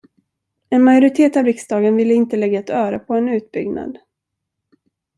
En majoritet av riksdagen ville inte lägga ett öre på en utbyggnad.